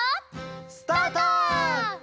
スタート！